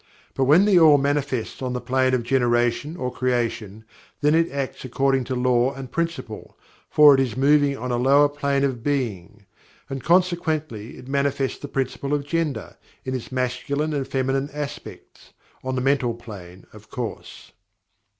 But when THE ALL manifests on the plane of generation or creation, then it acts according to Law and Principle, for it is moving on a lower plane of Being. And consequently it manifests the Principle of Gender, in its Masculine and Feminine aspects, on the Mental Plane, of course.